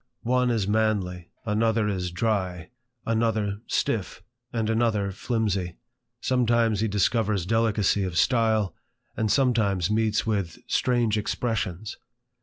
One is manly^ another is dty^ another stiffs and another ^/iwjry/ sometimes he discovers delicacy of style, and sometimes meets with strange expressions.